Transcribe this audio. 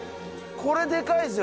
これ、でかいですよ。